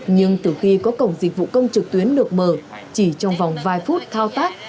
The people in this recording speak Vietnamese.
nhưng từ khi có cổng dịch vụ công trực tuyến được mở chỉ trong vòng vài phút thao tác